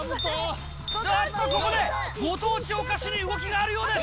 おっと、ここでご当地お菓子に動きがあるようです！